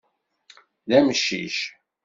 D amcic.